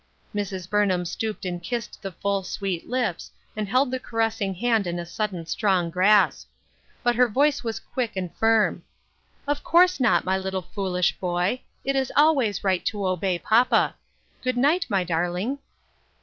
Mrs. Burnham stooped and kissed the full, sweet lips, and held the caressing hand in a sud AFTER SIX YEARS. 1 3 den strong grasp ; but her voice was quick and firm :" Of course not, my little foolish boy ; it is always right to obey papa. Qood night, my darling."